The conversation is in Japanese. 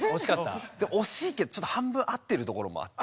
惜しいけど半分合ってるところもあって。